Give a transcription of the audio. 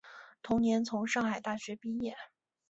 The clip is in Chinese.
同年从上海大学毕业。